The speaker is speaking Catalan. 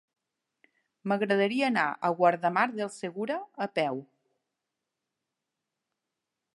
M'agradaria anar a Guardamar del Segura a peu.